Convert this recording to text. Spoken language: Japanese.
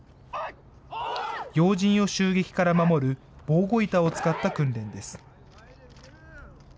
要人を襲撃から守る防護板を使った訓練です。